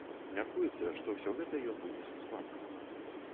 Мяркуецца, што ўсё гэта ён вынес з банка.